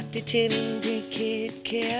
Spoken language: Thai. ขอบคุณค่ะ